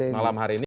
malam hari ini